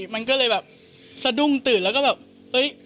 มันก็เลยแบบสะดุ้งตื่นแล้วก็แบบเฮ้ย